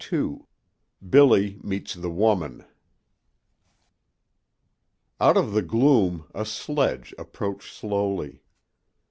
II BILLY MEETS THE WOMAN Out of the gloom a sledge approached slowly.